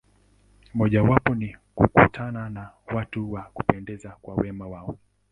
Mojawapo ni kukutana na watu wa kupendeza kwa wema wao.